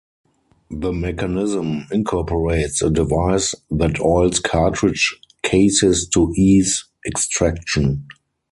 The mechanism incorporates a device that oils cartridge cases to ease extraction.